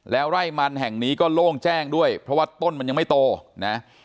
ไร่มันแห่งนี้ก็โล่งแจ้งด้วยเพราะว่าต้นมันยังไม่โตนะ